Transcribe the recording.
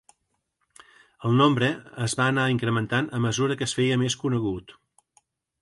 El nombre es va anar incrementant a mesura que es feia més conegut.